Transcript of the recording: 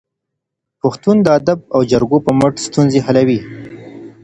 پښتون د ادب او جرګو په مټ ستونزې حلوي.